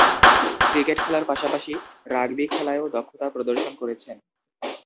Cricket খেলার পাশাপাশি rugby খেলায়ও দক্ষতা প্রদর্শন করেছেন।